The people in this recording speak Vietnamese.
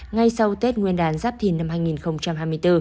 ngay sau tết nguyên đán giáp thìn năm hai nghìn hai mươi bốn